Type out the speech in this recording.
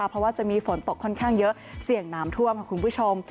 เพราะว่าจะมีฝนตกค่อนข้างเยอะเสี่ยงน้ำท่วมค่ะคุณผู้ชม